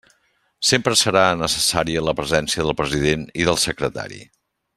Sempre serà necessària la presència del president i del secretari.